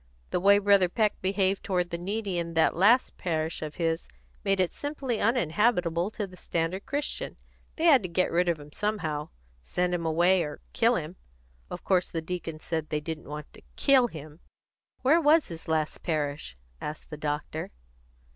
The way Brother Peck behaved toward the needy in that last parish of his made it simply uninhabitable to the standard Christian. They had to get rid of him somehow send him away or kill him. Of course the deacon said they didn't want to kill him." "Where was his last parish?" asked the doctor.